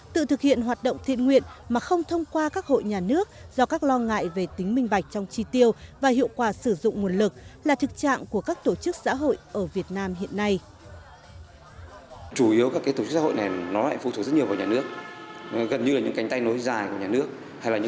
tự thực hiện hoạt động thiện nguyện mà không thông qua các hội nhà nước do các lo ngại về tính minh bạch trong chi tiêu và hiệu quả sử dụng nguồn lực là thực trạng của các tổ chức xã hội ở việt nam hiện nay